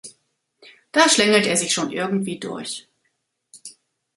Da schlängelt er sich schon irgendwie durch.